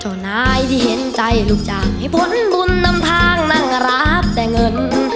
เจ้านายที่เห็นใจลูกจ้างให้พ้นบุญนำทางนั่งรับแต่เงิน